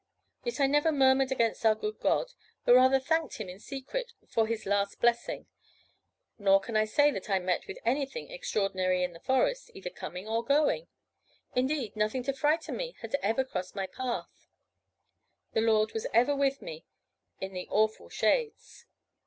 Yet I never murmured against our good God, but rather thanked Him in secret for His last blessing; nor can I say that I met with anything extraordinary in the forest, either coming or going; indeed nothing to frighten me has ever crossed my path. The Lord was ever with me in the awful shades."